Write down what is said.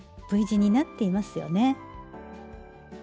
Ｖ字になっていますよね。